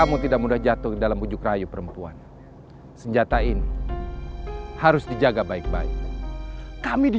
mari ke danautya shampoo muku as tentara kita ini